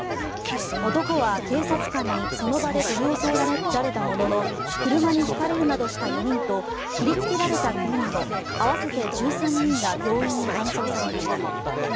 男は、警察官にその場で取り押さえられたものの車にひかれるなどした４人と切りつけられた９人の合わせて１３人が病院に搬送されました。